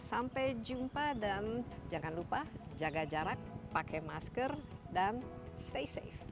sampai jumpa dan jangan lupa jaga jarak pakai masker dan stay safe